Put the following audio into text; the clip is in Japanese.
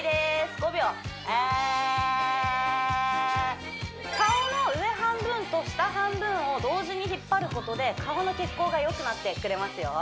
５秒あ顔の上半分と下半分を同時に引っ張ることで顔の血行が良くなってくれますよ